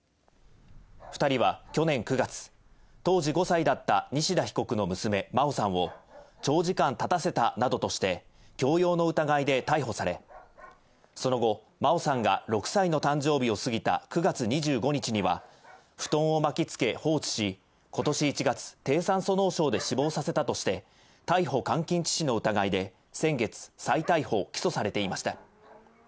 ２人は去年９月、当時５歳だった西田被告の娘、真愛さんを長時間立たせたなどとして、強要の疑いで逮捕され、その後、真愛さんが６歳の誕生日を過ぎた９月２５日には、布団を巻きつけ放置し、ことし１月、低酸素脳症で死亡させたとして、逮捕・監禁致死の疑いで先月、再逮捕・起訴されていました。